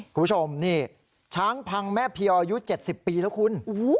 คุณผู้ชมนี่ช้างพังแม่พี่อายุเจ็ดสิบปีแล้วคุณ